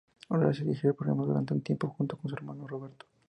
Horacio dirigió el programa durante un tiempo, junto con su hermano Roberto.